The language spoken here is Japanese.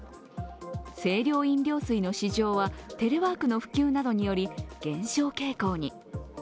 清涼飲料水の市場はテレワークの普及などにより減少傾向に。